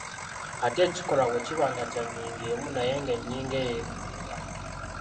Ate ekikolwa bwe kiba kya nnyingo emu naye ng’ennyingo eyo eggumira.